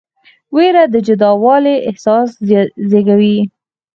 ویره د جلاوالي احساس زېږوي.